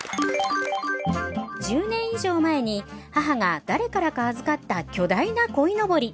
１０年以上前に母が誰からか預かった巨大なこいのぼり。